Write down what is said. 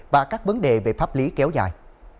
và các vấn đề về pháp lý kéo dài